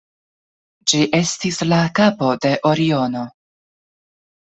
Ĝi estis la kapo de Oriono.